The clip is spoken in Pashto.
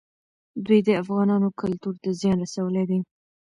دوی د افغانانو کلتور ته زیان رسولی دی.